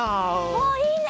おいいね。